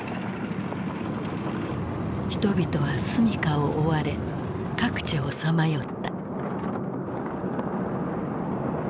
人々は住みかを追われ各地をさまよった。